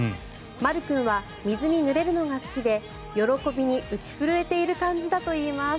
まる君は水にぬれるのが好きで喜びに打ち震えている感じだといいます。